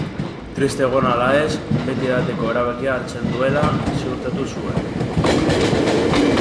Triste egon ala ez, beti edateko erabakia hartzen duela ziurtatu zuen.